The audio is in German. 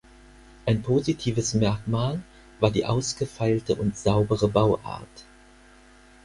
Ein positives Merkmal war die ausgefeilte und saubere Bauart.